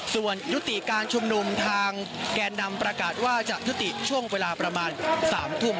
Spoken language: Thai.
ส่วนยุติการชุมนุมทางแกนนำประกาศว่าจะยุติช่วงเวลาประมาณ๓ทุ่ม